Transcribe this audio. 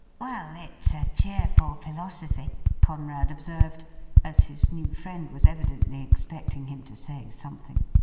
' Well, it's a cheerful philosophy,' Conrad observed, as his new friend was evidently expecting him to say something.